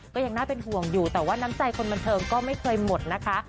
ก็ยังน่าเป็นห่วงอยู่แต่ว่าน้ำใจคนบันเทิงก็ไม่เคยหมดนะคะ